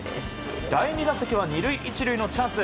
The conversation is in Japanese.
第２打席は２塁１塁のチャンス